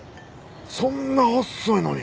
そんな細いのに。